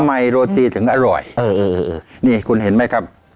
ทำไมโรตีถึงอร่อยเออเออเออนี่คุณเห็นไหมครับ